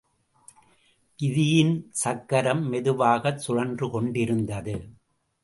விதியின் சக்கரம் மெதுவாகச் சுழன்று கொண்டிருந்தது.